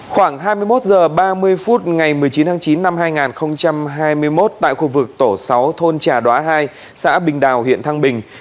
khoảng hai mươi một h ba mươi phút ngày một mươi chín tháng chín năm hai nghìn hai mươi một tại khu vực tổ sáu thôn trà đoá hai xã bình đào huyện thăng bình